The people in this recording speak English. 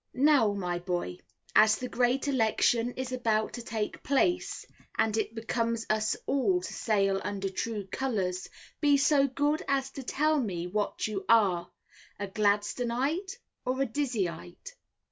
Now, my boy, as the Great Election is about to take place, and it becomes us all to sail under true colours, be so good as to tell me what you are, a Gladstonite, or a Dizzyite?